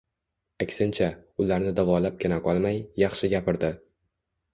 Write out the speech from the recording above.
Aksincha, ularni davolabgina qolmay, yaxshi gapirdi.